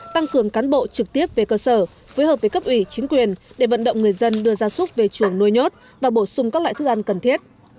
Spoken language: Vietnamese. tăng cường cán bộ trực tiếp về cơ sở phối hợp với cấp ủy chính quyền để vận động người dân đưa gia súc về chuồng nuôi nhốt và bổ sung các loại thức ăn cần thiết